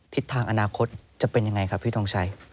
ทิศทางอนาคตจะเป็นยังไงครับพี่ทงชัย